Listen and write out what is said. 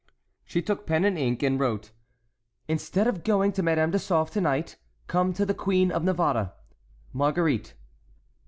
She took pen and ink, and wrote: "Instead of going to Madame de Sauve to night, come to the Queen of Navarre." "Marguerite."